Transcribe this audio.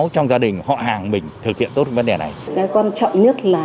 không được bán là đấy có phải nhà ba